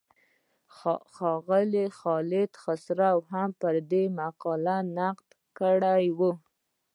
ښاغلي خالد خسرو هم پر دې مقاله نقد کړی و.